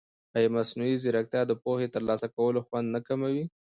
ایا مصنوعي ځیرکتیا د پوهې د ترلاسه کولو خوند نه کموي؟